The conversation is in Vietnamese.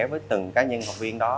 với từng cá nhân học viên đó